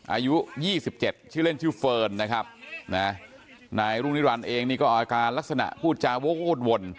อายุ๒๗ชื่อเล่นชื่อเฟิร์นนะครับนะนายรุ่งนิรันดิ์เองนี่ก็อาการลักษณะพูดจาวกวน